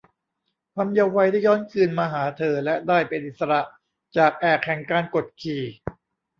ความเยาว์วัยได้ย้อนคืนมาหาเธอและได้เป็นอิสระจากแอกแห่งการกดขี่